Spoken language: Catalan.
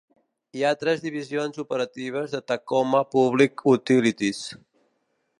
Hi ha tres divisions operatives de Tacoma Public Utilities.